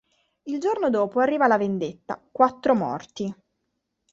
Il giorno dopo arriva la vendetta: quattro morti.